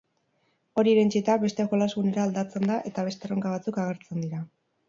Hori irentsita, beste jolasgunera aldatzen da eta beste erronka batzuk agertzen dira.